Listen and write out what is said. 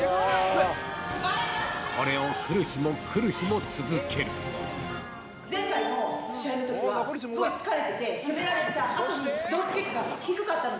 これを来る日も来る日も続け前回の試合のときは、すごい疲れてて、攻められたあとに、ドロップキックが低かったの。